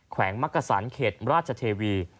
วงมักกษันเขตราชเทวี